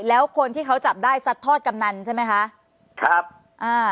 แล้วคนที่เขาจับได้ซัดทอดกำนันใช่ไหมคะครับอ่า